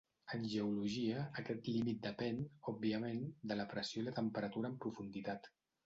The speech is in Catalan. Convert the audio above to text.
En geologia, aquest límit depèn, òbviament, de la pressió i la temperatura en profunditat.